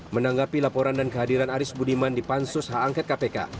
menanggapi laporan dan kehadiran aris budiman di pansus hak angket kpk